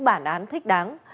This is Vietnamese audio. bản án thích đáng